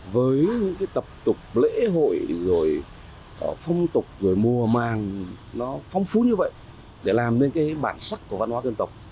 với tập tục lễ hội phong tục mùa màng nó phong phú như vậy để làm nên bản sắc của văn hóa dân tộc